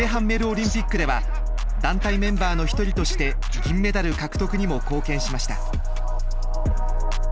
オリンピックでは団体メンバーの一人として銀メダル獲得にも貢献しました。